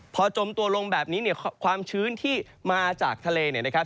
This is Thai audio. พอจมตัวลงแบบนี้เนี่ยความชื้นที่มาจากทะเลเนี่ยนะครับ